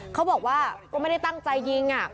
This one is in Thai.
เขาบอกว่าก็ไม่ได้ตั้งใจยิง